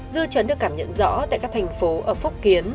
dư trấn được cảm nhận rõ tại các thành phố ở phúc kiến